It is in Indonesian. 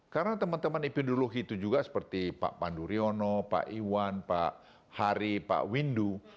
karena teman teman epidemiologi itu juga seperti pak panduryono pak iwan pak hari pak windu